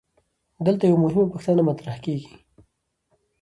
دلته یوه مهمه پوښتنه مطرح کیږي.